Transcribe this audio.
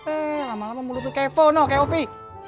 eh lama lama mulut lu kefo no keofi